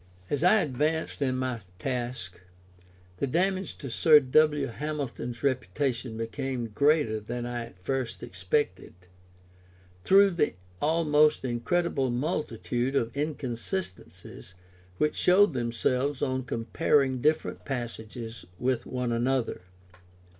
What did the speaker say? As I advanced in my task, the damage to Sir W. Hamilton's reputation became greater than I at first expected, through the almost incredible multitude of inconsistencies which showed themselves on comparing different passages with one another.